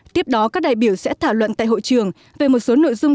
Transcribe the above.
tiếp đó các đại biểu sẽ thảo luận tại hội trường về một số nội dung